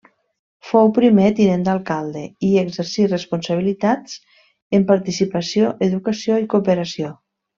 Fou primer Tinent d’Alcalde, i exercí responsabilitats en Participació, Educació i Cooperació.